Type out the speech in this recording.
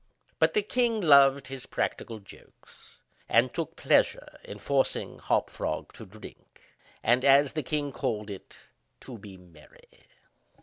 But the king loved his practical jokes, and took pleasure in forcing Hop Frog to drink and (as the king called it) "to be merry."